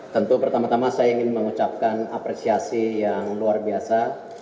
tentu pertama tama saya ingin mengucapkan apresiasi yang luar biasa